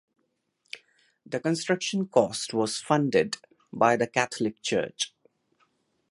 The construction cost was funded by the Catholic Church.